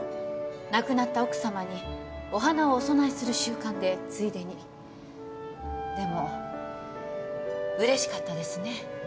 亡くなった奥様にお花をお供えする習慣でついでにでも嬉しかったですね